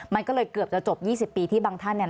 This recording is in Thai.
มันก็เลยเกือบจะจบ๒๐ปีที่บางท่านเนี่ย